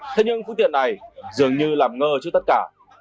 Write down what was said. thế nhưng phương tiện này dường như làm ngơ trước tất cả